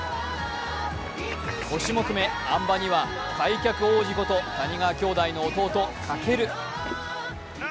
５種目目・あん馬には開脚王子こと谷川兄弟の弟・翔。